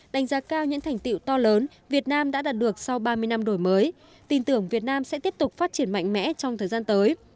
đánh giá cao những thành tiệu to lớn việt nam đã đạt được sau ba mươi năm đổi mới tin tưởng việt nam sẽ tiếp tục phát triển mạnh mẽ trong thời gian tới